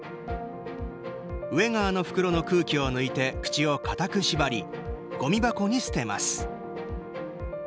上側の袋の空気を抜いて口を固く縛り、ごみ箱に捨てます。